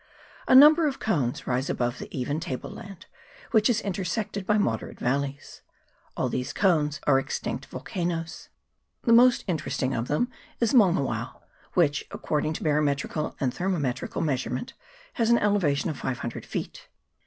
A number of cones rise above the even table land, which is in tersected by moderate valleys. All these cones are extinct volcanoes. The most interesting of them is Maunga wao, which, according to barometrical and thermometrical measurement, has an elevation of 500 feet.